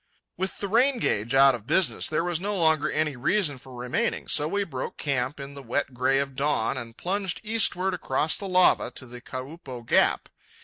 With the rain gauge out of business there was no longer any reason for remaining; so we broke camp in the wet gray of dawn, and plunged eastward across the lava to the Kaupo Gap.